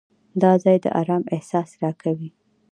دا ځای د آرام احساس راکوي.